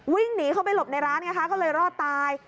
วิ่งหนีเข้าไปหลบในร้านไงคะก็เลยรอดตาย